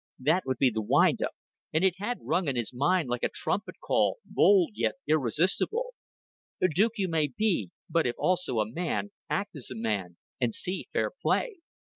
That was to be the wind up, and it had rung in his mind like a trumpet call, bold yet irresistible "Duke you may be, but if also a man, act as a man, and see fair play."